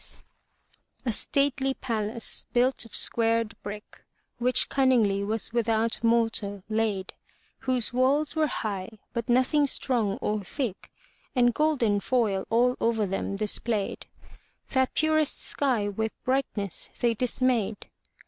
23 MY BOOK HOUSE A stately palace built of squared brick, Which cunningly was without mortar laid, Whose walls were high but nothing strong or thick. And golden foil all over them displayed, That purest sky with brightness they dismayed.